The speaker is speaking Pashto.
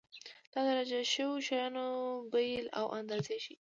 دا د درج شویو شیانو بیې او اندازې ښيي.